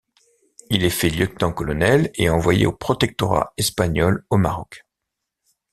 Il est fait lieutenant-colonel et envoyé au Protectorat espagnol au Maroc.